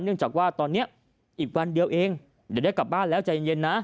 เนื่องจากว่าตอนนี้อีกวันเดียวเองเดี๋ยวได้กลับบ้านแล้วใจเย็นนะ